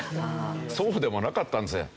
そうでもなかったんですよね。